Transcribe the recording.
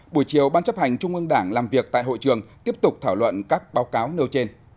buổi chiều ban chấp hành trung ương đảng làm việc tại hội trường tiếp tục thảo luận các báo cáo nêu trên